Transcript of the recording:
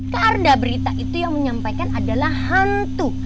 karena berita itu yang menyampaikan adalah hantu